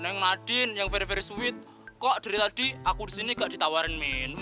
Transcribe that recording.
neng nadin yang very very sweet kok dari tadi aku disini gak ditawarin minum